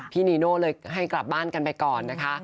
นีโน่เลยให้กลับบ้านกันไปก่อนนะคะ